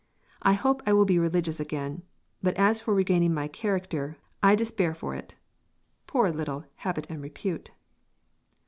I hope I will be religious again but as for regaining my charecter I despare for it." [Poor little "habit and repute"!